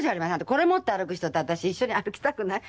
これ持って歩く人と私一緒に歩きたくない。